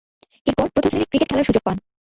এরপর, প্রথম-শ্রেণীর ক্রিকেট খেলার সুযোগ পান।